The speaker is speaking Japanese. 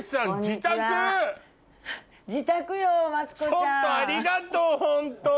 ちょっとありがとうホント。